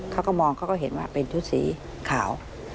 เขาก็มองเขาก็เห็นว่าเป็นชุดสีขาว